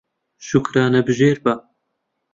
شوکرانەبژێر بە